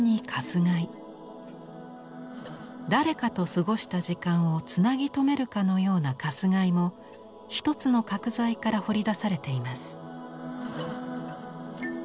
誰かと過ごした時間をつなぎ止めるかのような鎹も一つの角材から彫り出されています。